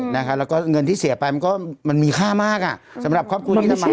แล้วก็เงินที่เสียไปมันก็มันมีค่ามากอ่ะสำหรับครอบครัวที่ทำมา